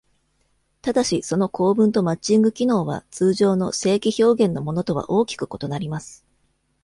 ただし、その構文とマッチング機能は、通常の正規表現のものとは大きく異なります。